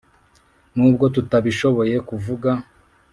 nubwo tutagishoboye kuvuga,